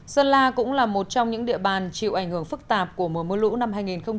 sơn la cũng là một trong những địa bàn chịu ảnh hưởng phức tạp của mùa mưa lũ năm hai nghìn một mươi chín